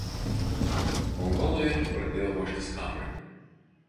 Mongolai pradėjo ruoštis karui.